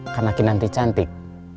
karena kinanti cantik